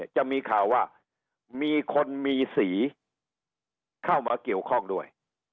จะมีข่าวว่ามีคนมีสีเข้ามาเกี่ยวข้องด้วย